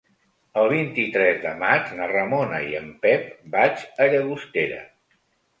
El vint-i-tres de maig na Ramona i en Pep vaig a Llagostera.